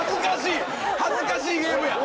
恥ずかしいゲームや！